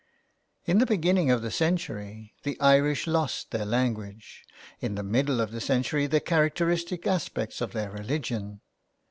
In the beginning of the century the Irish lost their language, in the middle of the century the character istic aspects of their religion.